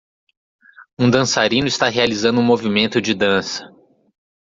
Um dançarino está realizando um movimento de dança.